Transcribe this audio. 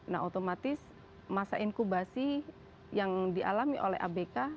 nah otomatis masa inkubasi yang dialami oleh abk